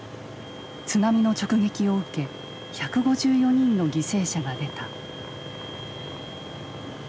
津波の直撃を受け１５４人の犠牲者が出た。